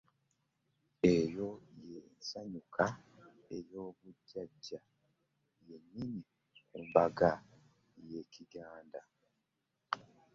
Eyo ye nsanyuka ey’obujjajja yennyini ku mbaga y’Ekiganda.